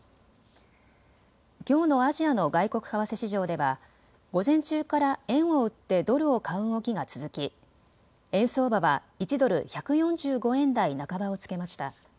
きょうのアジアの外国為替市場では午前中から円を売ってドルを買う動きが続き円相場は１ドル１４５円台半ばをつけました。